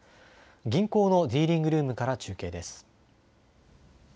銀行のディーリングルームから中継です。